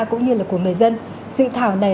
cũng như là của người dân dự thảo này